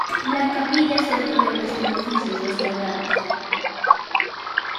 La capilla es otro de los edificios restaurados.